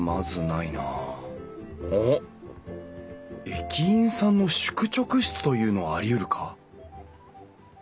駅員さんの宿直室というのはありうるか？